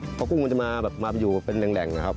เพราะกุ้งมันจะมาอยู่เป็นแหล่งครับ